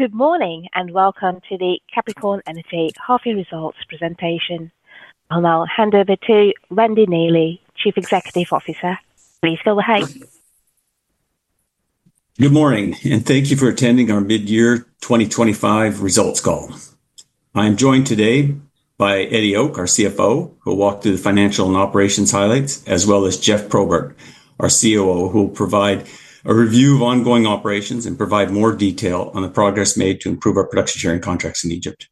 Good morning and welcome to the Capricorn Energy Half-year Results Presentation. I'll now hand over to Randy Neely, Chief Executive Officer. Please go ahead. Good morning and thank you for attending our mid-year 2025 results call. I am joined today by Eddie Ok, our CFO, who will walk through the financial and operations highlights, as well as Geoff Probert, our COO, who will provide a review of ongoing operations and provide more detail on the progress made to improve our production sharing contracts in Egypt.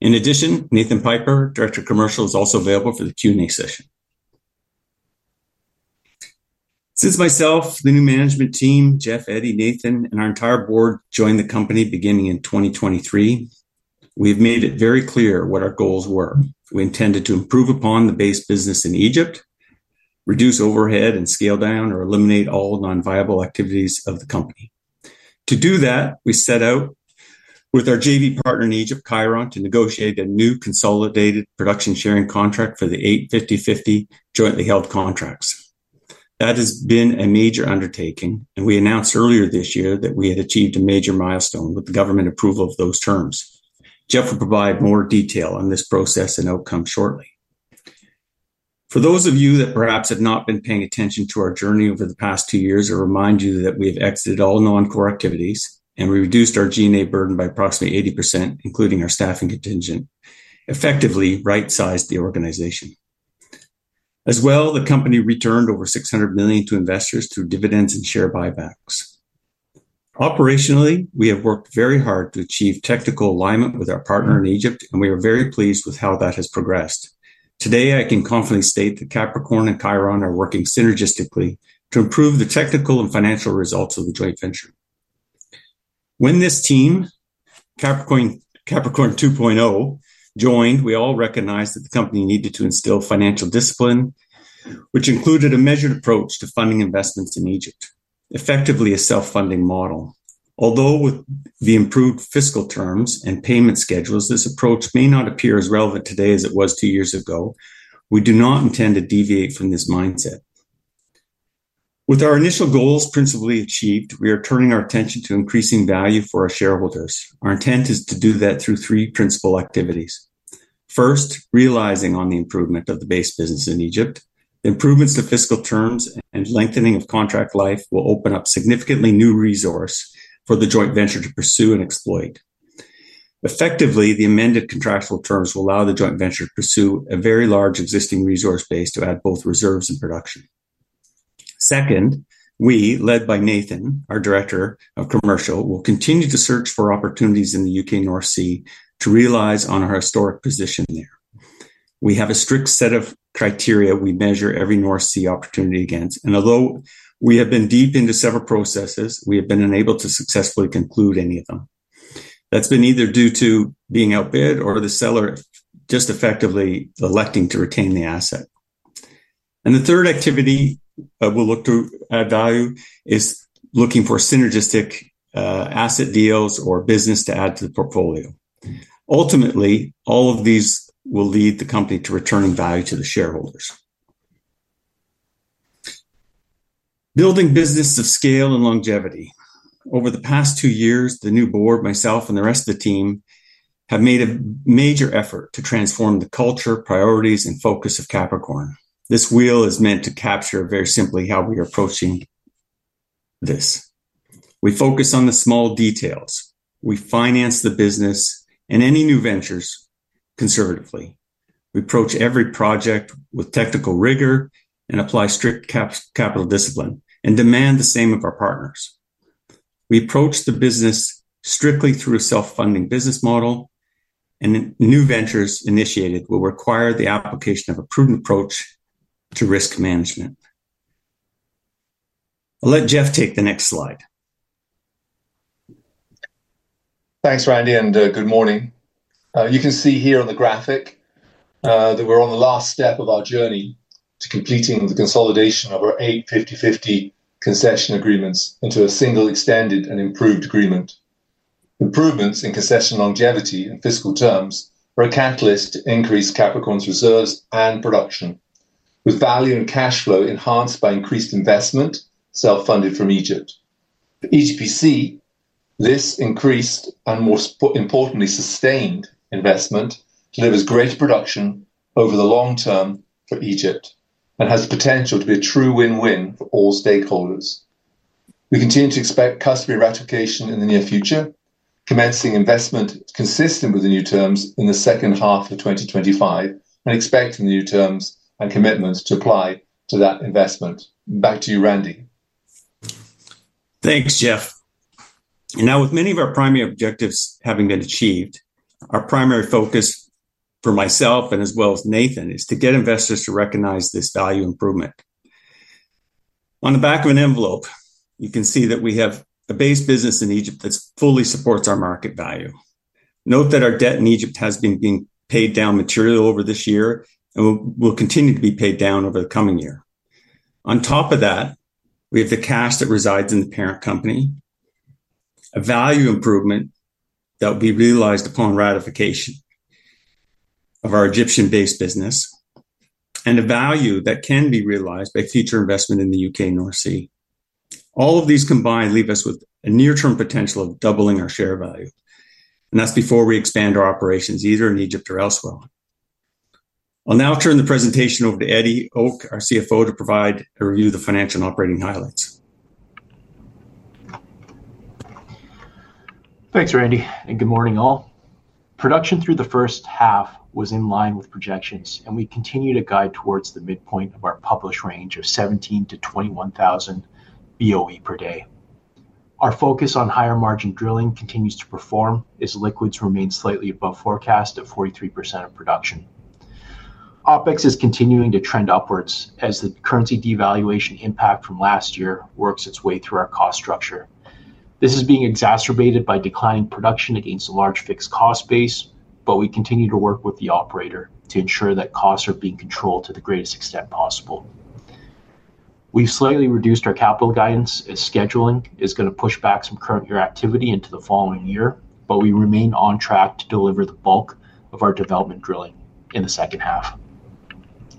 In addition, Nathan Piper, Director of Commercial, is also available for the Q&A session. Since myself, the new management team, Geoff, Eddie, Nathan, and our entire board joined the company beginning in 2023, we have made it very clear what our goals were. We intended to improve upon the base business in Egypt, reduce overhead, and scale down or eliminate all non-viable activities of the company. To do that, we set out with our JV partner in Egypt, Cheiron, to negotiate a new consolidated production sharing contract for the eight 50/50 jointly held contracts. That has been a major undertaking, and we announced earlier this year that we had achieved a major milestone with the government approval of those terms. Geoff will provide more details on this process and outcome shortly. For those of you who perhaps have not been paying attention to our journey over the past two years, I remind you that we have exited all non-core activities and we reduced our G&A burden by approximately 80%, including our staffing contingent, effectively right-sized the organization. As well, the company returned over $600 million to investors through dividends and share buybacks. Operationally, we have worked very hard to achieve technical alignment with our partner in Egypt, and we are very pleased with how that has progressed. Today, I can confidently state that Capricorn and Cheiron are working synergistically to improve the technical and financial results of the joint venture. When this team, Capricorn 2.0, joined, we all recognized that the company needed to instill financial discipline, which included a measured approach to funding investments in Egypt, effectively a self-funding model. Although with the improved fiscal terms and payment schedules, this approach may not appear as relevant today as it was two years ago, we do not intend to deviate from this mindset. With our initial goals principally achieved, we are turning our attention to increasing value for our shareholders. Our intent is to do that through three principal activities. First, realizing on the improvement of the base business in Egypt, improvements to fiscal terms, and lengthening of contract life will open up significantly new resource for the joint venture to pursue and exploit. Effectively, the amended contractual terms will allow the joint venture to pursue a very large existing resource base to add both reserves and production. Second, we, led by Nathan, our Director of Commercial, will continue to search for opportunities in the U.K. North Sea to realize on our historic position there. We have a strict set of criteria we measure every North Sea opportunity against, and although we have been deep into several processes, we have been unable to successfully conclude any of them. That has been either due to being outbid or the seller just effectively electing to retain the asset. The third activity we'll look to value is looking for synergistic asset deals or business to add to the portfolio. Ultimately, all of these will lead the company to returning value to the shareholders. Building business of scale and longevity. Over the past two years, the new board, myself, and the rest of the team have made a major effort to transform the culture, priorities, and focus of Capricorn. This wheel is meant to capture, very simply, how we are approaching this. We focus on the small details. We finance the business and any new ventures conservatively. We approach every project with technical rigor and apply strict capital discipline and demand the same of our partners. We approach the business strictly through a self-funding business model, and new ventures initiated will require the application of a proven approach to risk management. I'll let Geoff take the next slide. Thanks, Randy, and good morning. You can see here on the graphic that we're on the last step of our journey to completing the consolidation of our eight 50/50 concession agreements into a single extended and improved agreement. Improvements in concession longevity and fiscal terms are a catalyst to increase Capricorn's reserves and production, with value and cash flow enhanced by increased investment self-funded from Egypt. For EGPC, this increased and, more importantly, sustained investment delivers greater production over the long term for Egypt and has the potential to be a true win-win for all stakeholders. We continue to expect custody ratification in the near future, commencing investment consistent with the new terms in the second half of 2025, and expecting the new terms and commitments to apply to that investment. Back to you, Randy. Thanks, Geoff. You know, with many of our primary objectives having been achieved, our primary focus for myself as well as Nathan is to get investors to recognize this value improvement. On the back of an envelope, you can see that we have a base business in Egypt that fully supports our market value. Note that our debt in Egypt has been being paid down materially over this year and will continue to be paid down over the coming year. On top of that, we have the cash that resides in the parent company, a value improvement that will be realized upon ratification of our Egyptian base business, and a value that can be realized by future investment in the U.K. North Sea. All of these combined leave us with a near-term potential of doubling our share value, and that's before we expand our operations either in Egypt or elsewhere. I'll now turn the presentation over to Eddie Ok, our CFO, to provide a review of the financial and operating highlights. Thanks, Randy, and good morning, all. Production through the first half was in line with projections, and we continue to guide towards the midpoint of our published range of 17,000-21,000 BOE/day. Our focus on higher margin drilling continues to perform as liquids remain slightly above forecast at 43% of production. OpEx is continuing to trend upwards as the currency devaluation impact from last year works its way through our cost structure. This is being exacerbated by declining production against a large fixed cost base, yet we continue to work with the operator to ensure that costs are being controlled to the greatest extent possible. We've slightly reduced our capital guidance as scheduling is going to push back some current year activity into the following year, but we remain on track to deliver the bulk of our development drilling in the second half.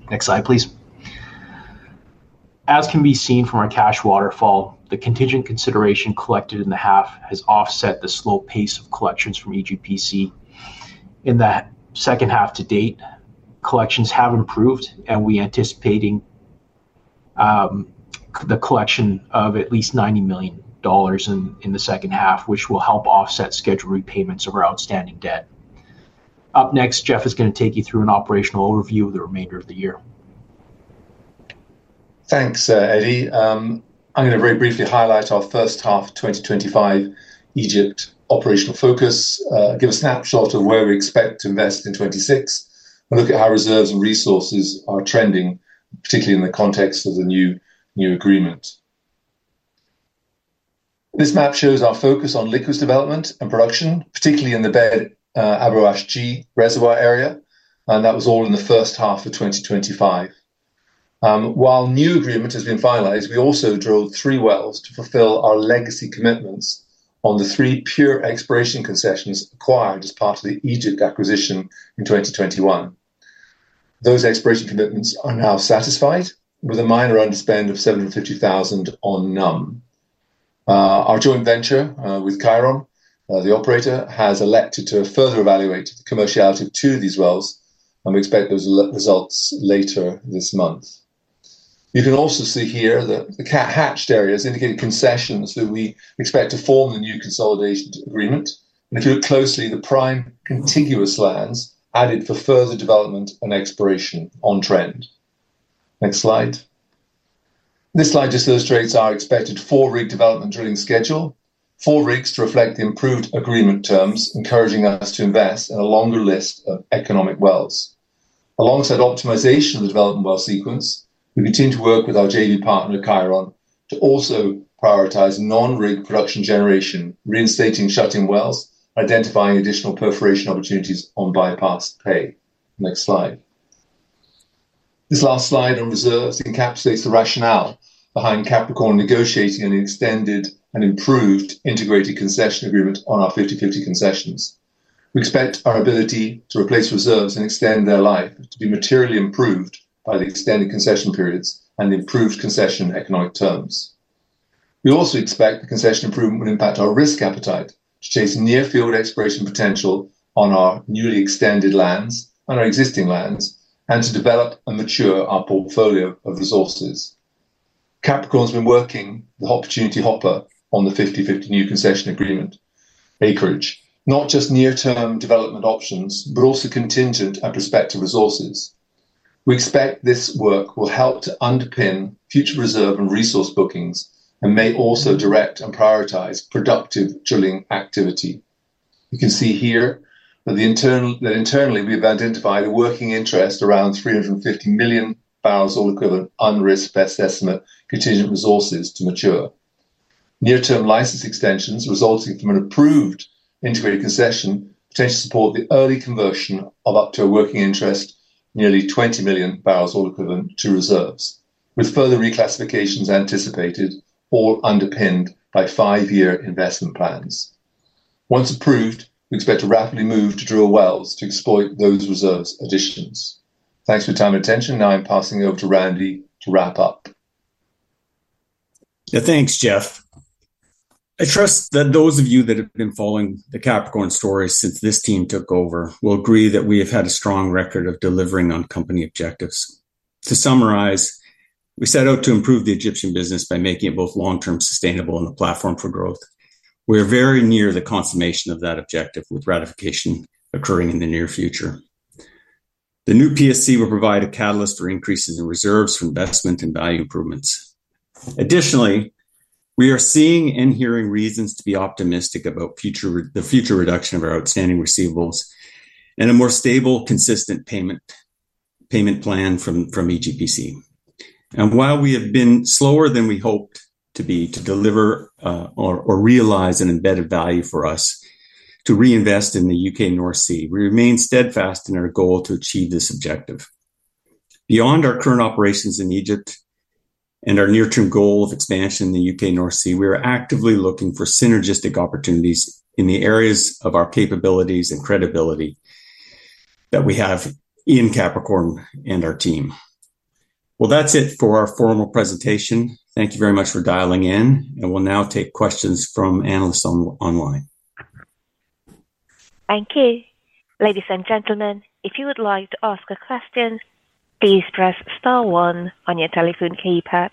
Next slide, please. As can be seen from our cash waterfall, the contingent consideration collected in the half has offset the slow pace of collections from EGPC. In that second half to date, collections have improved, and we are anticipating the collection of at least $90 million in the second half, which will help offset scheduled repayments of our outstanding debt. Up next, Geoff is going to take you through an operational overview of the remainder of the year. Thanks, Eddie. I'm going to very briefly highlight our first half of 2025 Egypt operational focus, give a snapshot of where we expect to invest in 2026, and look at how reserves and resources are trending, particularly in the context of the new agreement. This map shows our focus on liquids development and production, particularly in the Abu Roash G reservoir area, and that was all in the first half of 2025. While the new agreement has been finalized, we also drilled three wells to fulfill our legacy commitments on the three pure exploration concessions acquired as part of the Egypt acquisition in 2021. Those exploration commitments are now satisfied with a minor underspend of $750,000 on NUMB. Our joint venture with Cheiron, the operator, has elected to further evaluate the commerciality of two of these wells, and we expect those results later this month. You can also see here that the hatched areas indicate concessions that we expect to form in the new consolidation agreement, and if you look closely, the prime contiguous lands added for further development and exploration are on trend. Next slide. This slide just illustrates our expected four-rig development drilling schedule. Four rigs to reflect the improved agreement terms, encouraging us to invest in a longer list of economic wells. Alongside optimization of the development well sequence, we continue to work with our JV partner, Cheiron, to also prioritize non-rig production generation, reinstating shut-in wells, and identifying additional perforation opportunities on bypass pay. Next slide. This last slide on reserves encapsulates the rationale behind Capricorn negotiating an extended and improved integrated concession agreement on our 50/50 concessions. We expect our ability to replace reserves and extend their life to be materially improved by the extended concession periods and improved concession economic terms. We also expect the concession improvement will impact our risk appetite to chase near-field exploration potential on our newly extended lands and our existing lands, and to develop and mature our portfolio of resources. Capricorn has been working with Opportunity Hopper on the 50/50 new concession agreement acreage, not just near-term development options, but also contingent and prospective resources. We expect this work will help to underpin future reserve and resource bookings and may also direct and prioritize productive drilling activity. You can see here that internally we've identified a working interest around 350 million bbl of oil equivalent unrisked best estimate contingent resources to mature. Near-term license extensions resulting from an approved integrated concession tend to support the early conversion of up to a working interest, nearly 20 million bbl of oil equivalent to reserves, with further reclassifications anticipated or underpinned by five-year investment plans. Once approved, we expect to rapidly move to drill wells to exploit those reserves additions. Thanks for your time and attention. Now I'm passing it over to Randy to wrap up. Yeah, thanks, Geoff. I trust that those of you that have been following the Capricorn story since this team took over will agree that we have had a strong record of delivering on company objectives. To summarize, we set out to improve the Egyptian business by making it both long-term sustainable and a platform for growth. We are very near the consummation of that objective with ratification occurring in the near future. The new PSC will provide a catalyst for increases in reserves for investment and value improvements. Additionally, we are seeing and hearing reasons to be optimistic about the future reduction of our outstanding receivables and a more stable, consistent payment plan from EGPC. While we have been slower than we hoped to be to deliver or realize an embedded value for us to reinvest in the U.K. North Sea, we remain steadfast in our goal to achieve this objective. Beyond our current operations in Egypt and our near-term goal of expansion in the U.K. North Sea, we are actively looking for synergistic opportunities in the areas of our capabilities and credibility that we have in Capricorn and our team. That's it for our formal presentation. Thank you very much for dialing in, and we'll now take questions from analysts online. Thank you. Ladies and gentlemen, if you would like to ask a question, please press star one on your telephone keypad.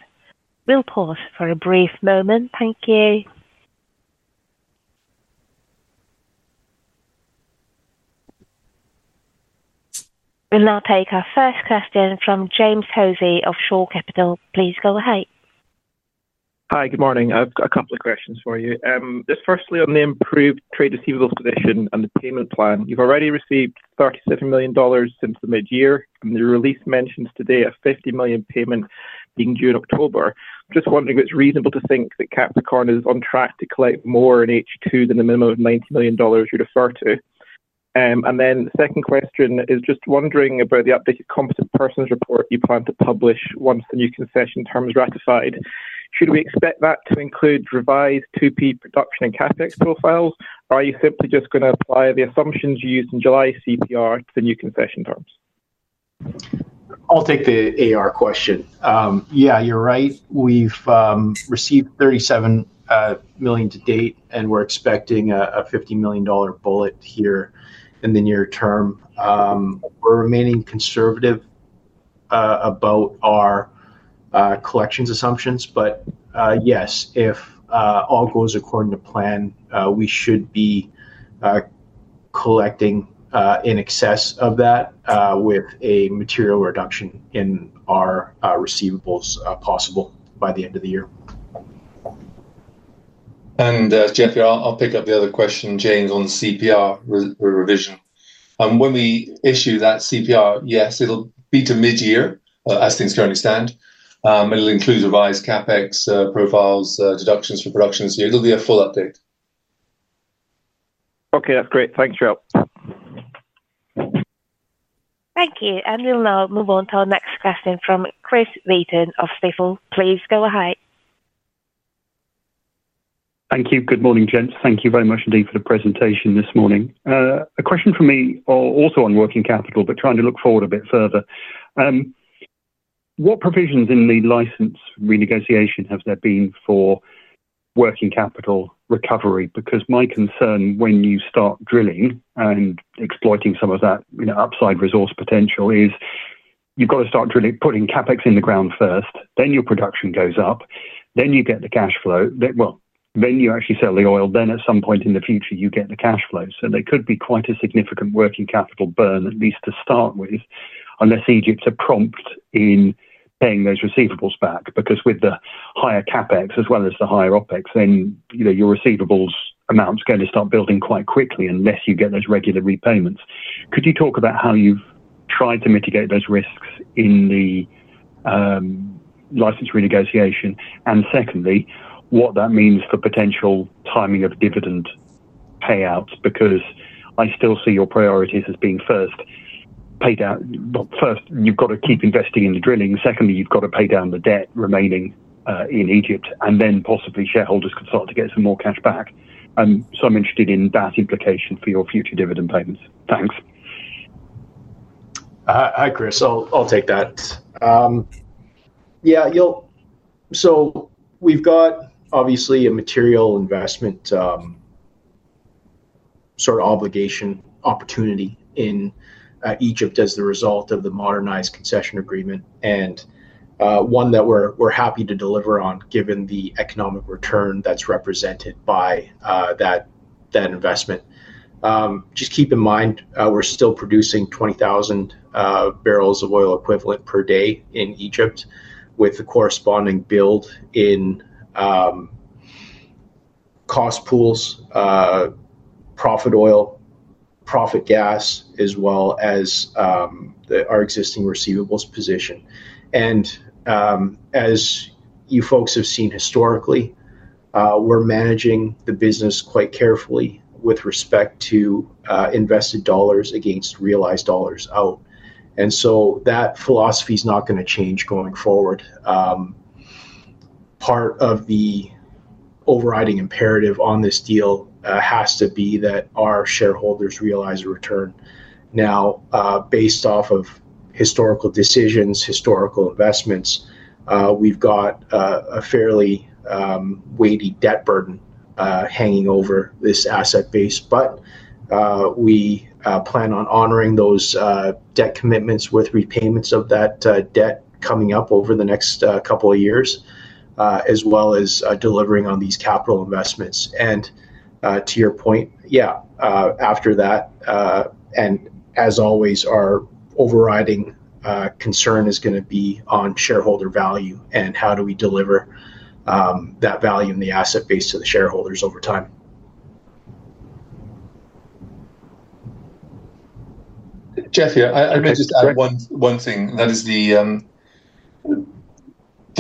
We'll pause for a brief moment. Thank you. We'll now take our first question from James Hosie of Shaw Capital. Please go ahead. Hi, good morning. I have a couple of questions for you. Firstly, on the improved trade receivables position and the payment plan, you've already received $37 million since the mid-year, and the release mentions today a $50 million payment being due in October. I'm just wondering if it's reasonable to think that Capricorn is on track to collect more in H2 than the minimum of $90 million you referred to. The second question is just wondering about the updated competent persons report you plan to publish once the new concession terms are ratified. Should we expect that to include the revised 2P production and CapEx profile, or are you simply just going to apply the assumptions used in July CPR to the new concession terms? I'll take the AR question. Yeah, you're right. We've received $37 million to date, and we're expecting a $50 million bullet here in the near term. We're remaining conservative about our collections assumptions, but yes, if all goes according to plan, we should be collecting in excess of that with a material reduction in our receivables possible by the end of the year. Geoff, I'll pick up the other question on James on CPR revision. When we issue that CPR, yes, it'll be to mid-year as things currently stand, and it'll include revised CapEx profiles, deductions for productions. It'll be a full update. Okay, that's great. Thanks, Geoff. Thank you. We'll now move on to our next question from Chris Wheaton of Stifel, please go ahead. Thank you. Good morning, James. Thank you very much indeed for the presentation this morning. A question for me also on working capital, but trying to look forward a bit further. What provisions in the license renegotiation have there been for working capital recovery? My concern when you start drilling and exploiting some of that upside resource potential is you've got to start putting CapEx in the ground first, then your production goes up, then you get the cash flow, then you actually sell the oil, then at some point in the future you get the cash flow. There could be quite a significant working capital burn, at least to start with, unless Egypt's prompt in paying those receivables back. With the higher CapEx as well as the higher OpEx, your receivables amount is going to start building quite quickly unless you get those regular repayments. Could you talk about how you've tried to mitigate those risks in the license renegotiation? Secondly, what that means for potential timing of dividend payouts? I still see your priorities as being first paid out, first, you've got to keep investing in the drilling. Secondly, you've got to pay down the debt remaining in Egypt, and then possibly shareholders could start to get some more cash back. I'm interested in that implication for your future dividend payments. Thanks. Hi, Chris. I'll take that. Yeah, you'll see we've got obviously a material investment sort of obligation opportunity in Egypt as a result of the modernized concession agreement, and one that we're happy to deliver on, given the economic return that's represented by that investment. Just keep in mind we're still producing 20,000 bbl of oil equivalent per day in Egypt with the corresponding build-in cost pools, profit oil, profit gas, as well as our existing receivables position. As you folks have seen historically, we're managing the business quite carefully with respect to invested dollars against realized dollars out. That philosophy is not going to change going forward. Part of the overriding imperative on this deal has to be that our shareholders realize a return. Now, based on historical decisions and historical investments, we've got a fairly weighty debt burden hanging over this asset base. We plan on honoring those debt commitments with repayments of that debt coming up over the next couple of years, as well as delivering on these capital investments. To your point, after that, and as always, our overriding concern is going to be on shareholder value and how do we deliver that value in the asset base to the shareholders over time. Geoff here, I'd just add one thing, and that is the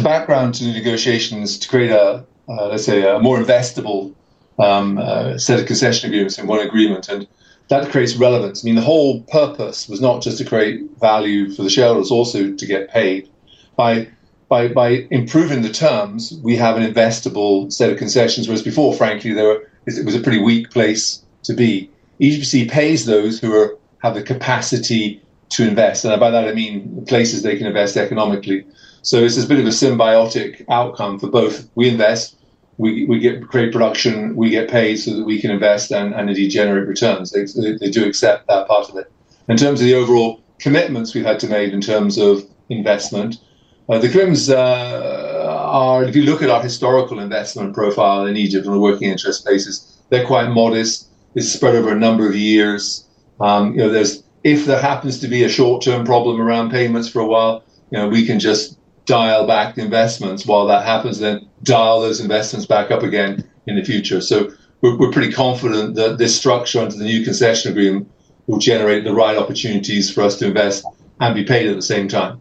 background to the negotiations to create a, let's say, a more investable set of concession agreements and what agreement. That creates relevance. I mean, the whole purpose was not just to create value for the shareholders, also to get paid. By improving the terms, we have an investable set of concessions, whereas before, frankly, it was a pretty weak place to be. EGPC pays those who have the capacity to invest, and by that I mean the places they can invest economically. It's a bit of a symbiotic outcome for both. We invest, we create production, we get paid so that we can invest and indeed generate returns. They do accept that part of it. In terms of the overall commitments we've had to make in terms of investment, the agreements are, if you look at our historical investment profile in Egypt on a working interest basis, they're quite modest. It's spread over a number of years. If there happens to be a short-term problem around payments for a while, we can just dial back investments while that happens and then dial those investments back up again in the future. We're pretty confident that this structure under the new concession agreement will generate the right opportunities for us to invest and be paid at the same time.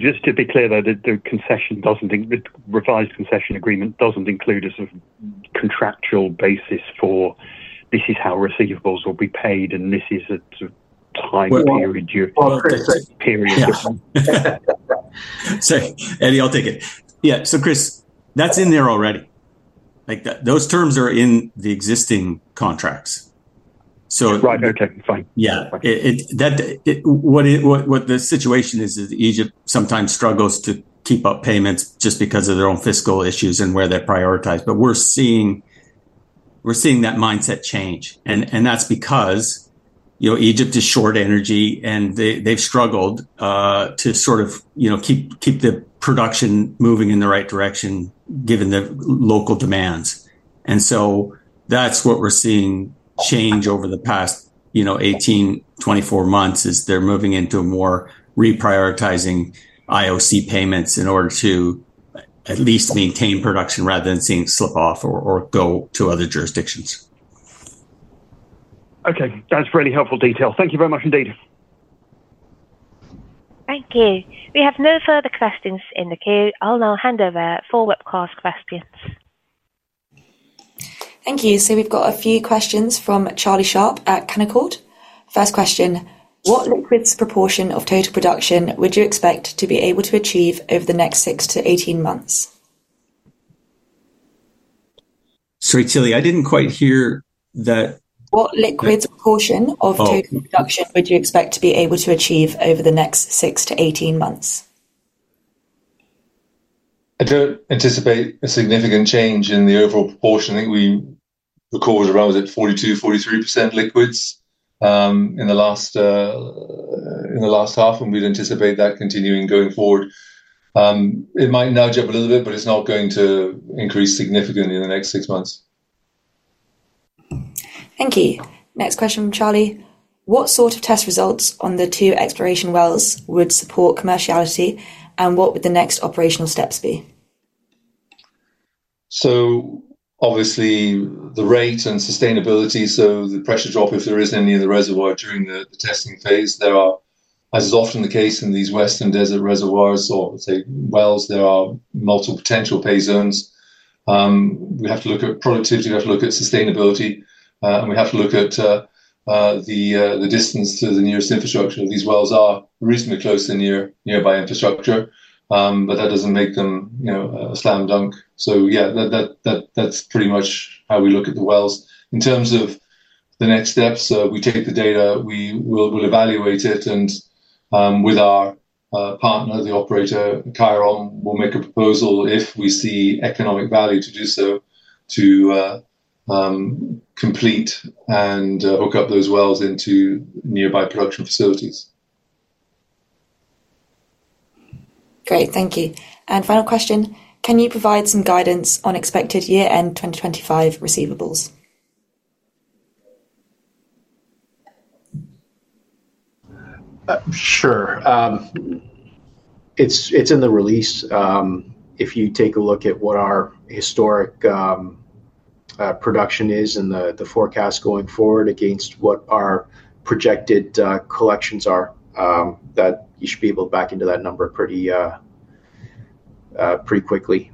Just to be clear, the revised concession agreement doesn't include a sort of contractual basis for how receivables will be paid, and this is ahigh period. Eddie, I'll take it. Yeah, Chris, that's in there already. Those terms are in the existing contracts. Right, okay. Fine. Yeah, what the situation is is that Egypt sometimes struggles to keep up payments just because of their own fiscal issues and where they're prioritized. We're seeing that mindset change. That's because, you know, Egypt is short of energy and they've struggled to sort of, you know, keep the production moving in the right direction, given the local demands. That's what we're seeing change over the past, you know, 18 months, 24 months. They're moving into a more reprioritized IOC payments in order to at least maintain production rather than seeing a slip-off or going to other jurisdictions. Okay, that's really helpful detail. Thank you very much indeed. Thank you. We have no further questions in the queue. I'll now hand over for webcast questions. Thank you. We've got a few questions from Charlie Sharp at Canaccord. First question, what liquids proportion of total production would you expect to be able to achieve over the next 6 months-18 months? Sorry, Tilly, I didn't quite hear that. What liquids portion of total production would you expect to be able to achieve over the next 6 months-18 months? I don't anticipate a significant change in the overall proportion. I think we recorded around 42%, 43% liquids in the last half, and we'd anticipate that continuing going forward. It might nudge up a little bit, but it's not going to increase significantly in the next six months. Thank you. Next question from Charlie. What sort of test results on the two exploration wells would support commerciality, and what would the next operational steps be? Obviously, the rate and sustainability, the pressure drop if there is any in the reservoir during the testing phase. There are, as is often the case in these Western Desert reservoirs or wells, multiple potential phase zones. We have to look at productivity, we have to look at sustainability, and we have to look at the distance to the nearest infrastructure. These wells are reasonably close to nearby infrastructure, but that doesn't make them a standalone. That's pretty much how we look at the wells. In terms of the next steps, we take the data, we will evaluate it, and with our partner, the operator Cheiron, we'll make a proposal if we see economic value to do so, to complete and hook up those wells into nearby production facilities. Great, thank you. Final question, can you provide some guidance on expected year-end 2025 receivables? Sure. It's in the release. If you take a look at what our historic production is and the forecast going forward against what our projected collections are, you should be able to back into that number pretty quickly.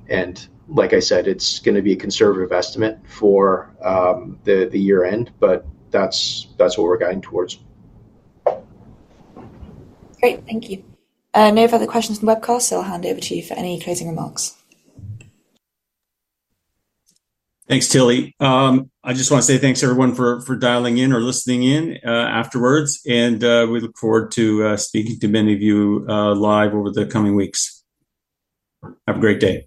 Like I said, it's going to be a conservative estimate for the year-end, but that's what we're guiding towards. Great, thank you. We have other questions on the webcast, so I'll hand over to you for any closing remarks. Thanks, Tilly. I just want to say thanks everyone for dialing in or listening in afterwards. We look forward to speaking to many of you live over the coming weeks. Have a great day.